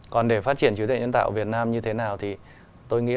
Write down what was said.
còn để phát triển trí tuệ nhân tạo ở việt nam như thế nào thì tôi nghĩ